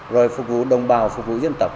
rồi phục vụ đồng bào phục vụ dân tộc